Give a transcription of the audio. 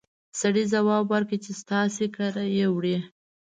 سړي ځواب ورکړ چې ستاسې کره يې وړي!